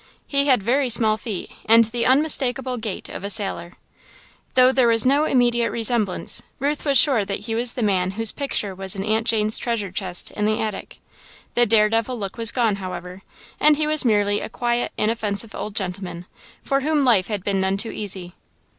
He had very small feet and the unmistakable gait of a sailor. Though there was no immediate resemblance, Ruth was sure that he was the man whose picture was in Aunt Jane's treasure chest in the attic. The daredevil look was gone, however, and he was merely a quiet, inoffensive old gentleman, for whom life had been none too easy.